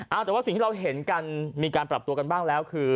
เอาแต่ว่าสิ่งที่เราเห็นกันมีการปรับตัวกันบ้างแล้วคือ